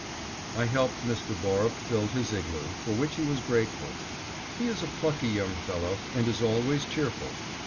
I helped Mr. Borup build his igloo, for which he was grateful. He is a plucky young fellow and is always cheerful.